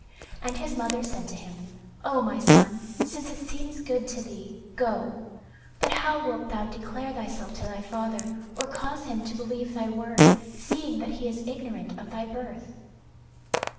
And his mother said to him, "O my son, since it seems good to thee, go; but how wilt thou declare thyself to thy father, or cause him to believe thy word, seeing that he is ignorant of thy birth?"